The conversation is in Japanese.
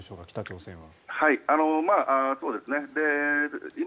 北朝鮮は。